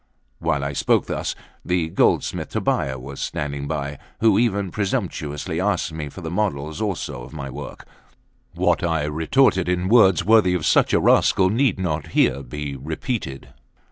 While I spoke thus, the goldsmith Tobbia was standing by, who even presumptuously asked me for the models also of my work. What I retorted, in words worthy of such a rascal, need not here be repeated.